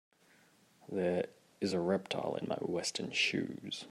There is a reptile in my western shoes.